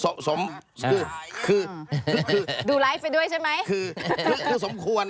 ส่งเสร็จดูไลฟ์ไปด้วยใช่ไหม